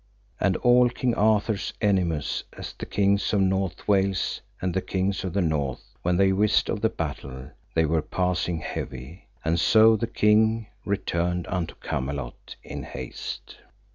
And all King Arthur's enemies, as the King of North Wales, and the kings of the North, [when they] wist of the battle, they were passing heavy. And so the king returned unto Camelot in haste.